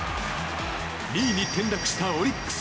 ２位に転落したオリックス。